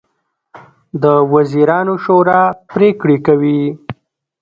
د وزیرانو شورا پریکړې کوي